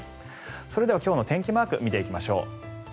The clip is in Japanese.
それでは今日の天気マークを見ていきましょう。